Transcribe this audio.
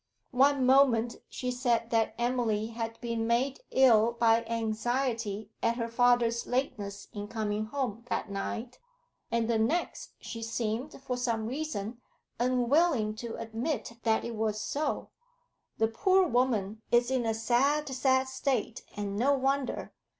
One moment she said that Emily had been made ill by anxiety at her father's lateness in coming home that night, and the next she seemed, for some reason, unwilling to admit that it was so. The poor woman is in a sad, sad state, and no wonder.